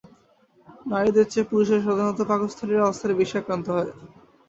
নারীদের চেয়ে পুরুষেরা সাধারণত পাকস্থলীর আলসারে বেশি আক্রান্ত হয়।